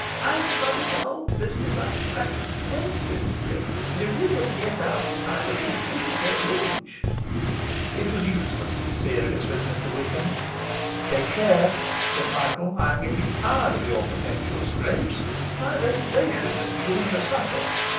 I've muddled the whole business up to that extent, Finsbury, that if it were to get out it's my belief we should get lynched.' It was useless to be serious with Mr Wickham. 'Take care,' said Michael. 'I am getting tired of your perpetual scrapes; my reputation is beginning to suffer.